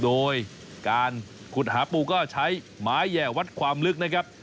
โดยการขุดหาปูก็ใช้ไม้แห่วัดความลึกนะครับ